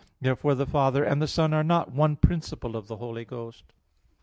Therefore the Father and the Son are not one principle of the Holy Ghost.